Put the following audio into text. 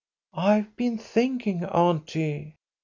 "I've been thinking, auntie."